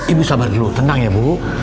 ibu sabar dulu tenang ya bu